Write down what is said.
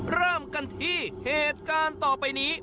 เริ่มกันที่เหตุการณ์ต่อไปนี้